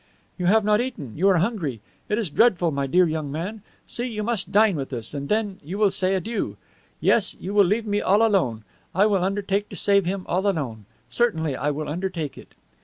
"You have not eaten, you are hungry. It is dreadful, my dear young man. See, you must dine with us, and then you will say adieu. Yes, you will leave me all alone. I will undertake to save him all alone. Certainly, I will undertake it."